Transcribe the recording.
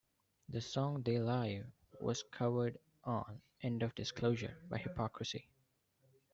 The song "They Lie" was covered on "End of Disclosure" by Hypocrisy.